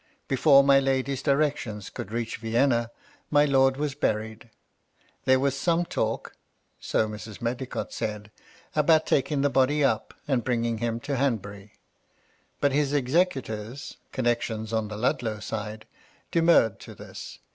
Before my lady's directions could reach Vienna, my lord was buried. There was some talk (so Mrs. Medlicott said) about taking the body up, and bringing him to Hanbury. But his executors, — con nections on the Ludlow side,— demurred to this.